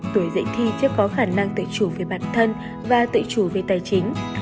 tuổi dậy thì chắc có khả năng tự chủ về bản thân và tự chủ về tài chính